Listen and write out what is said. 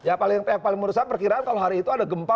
ya paling murusnya perkiraan kalau hari itu ada gempa